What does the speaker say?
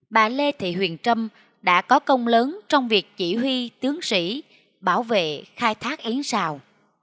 bà lê thị huyền trâm đã có công lớn trong việc chỉ huy tướng sĩ bảo vệ khai thác yến xào